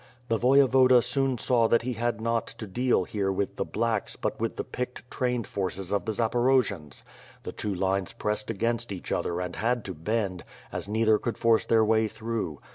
The Voye voda soon saw that h'C had not to deal here with the "blacks" but with the picked, trained forces of the Zaporojians? The two lines pressed against each other and had to bend, as neither could force their way through.